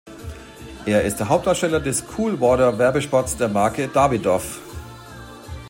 Er ist der Hauptdarsteller des „Cool Water“-Werbespots der Marke Davidoff.